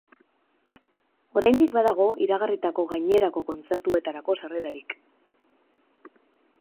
Oraindik badago iragarritako gainerako kontzertuetarako sarrerarik.